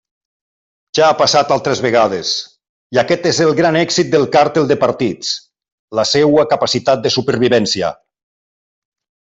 Ja ha passat altres vegades, i aquest és el gran èxit del càrtel de partits: la seua capacitat de supervivència.